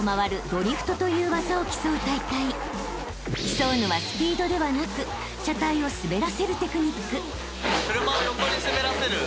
［競うのはスピードではなく車体を滑らせるテクニック］